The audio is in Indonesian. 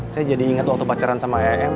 saya jadi inget waktu pacaran sama eem